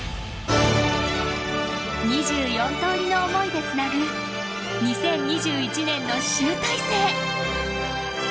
２４とおりの思いでつなぐ２０２１年の集大成。